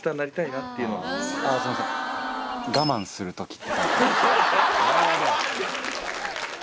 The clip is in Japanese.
「我慢する時」。